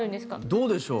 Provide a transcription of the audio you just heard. どうでしょう。